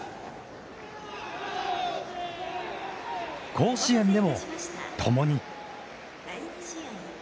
甲子園でも共に。